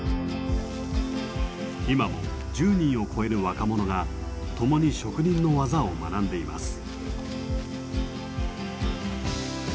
今も１０人を超える若者が共に職人の技を学んでいます。